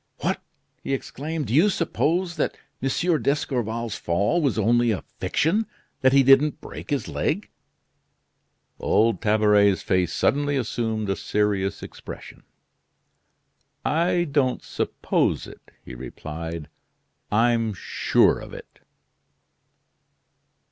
"What!" he exclaimed; "do you suppose that M. d'Escorval's fall was only a fiction? that he didn't break his leg?" Old Tabaret's face suddenly assumed a serious expression. "I don't suppose it," he replied; "I'm sure of it."